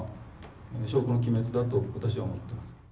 証拠の棄滅だと私は思ってます。